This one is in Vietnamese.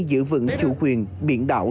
giữ vững chủ quyền biển đảo